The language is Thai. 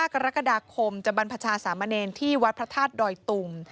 กรกฎาคมจะบรรพชาสามเณรที่วัดพระธาตุดอยตุง